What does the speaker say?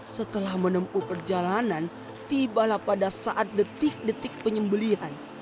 setelah menempuh perjalanan tibalah pada saat detik detik penyembelian